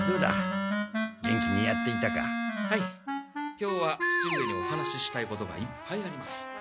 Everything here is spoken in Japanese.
今日は父上にお話ししたいことがいっぱいあります。